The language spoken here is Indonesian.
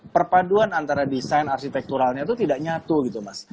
perpaduan antara desain arsitekturalnya itu tidak nyatu gitu mas